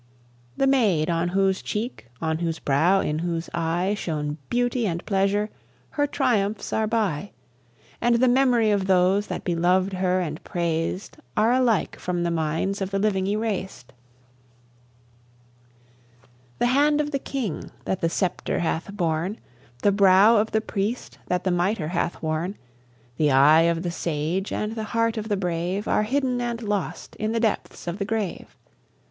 The maid on whose cheek, on whose brow, in whose eye, Shone beauty and pleasure, her triumphs are by; And the memory of those that beloved her and praised Are alike from the minds of the living erased. The hand of the king that the scepter hath borne, The brow of the priest that the miter hath worn, The eye of the sage, and the heart of the brave, Are hidden and lost in the depths of the grave.